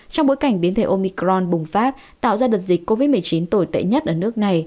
trong bối cảnh biến thể omicron bùng phát tạo ra được dịch covid một mươi chín tồi tệ nhất ở nước này